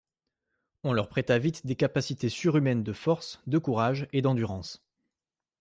On leur prêta vite des capacités surhumaines de force, de courage et d'endurance.